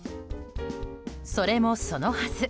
それもそのはず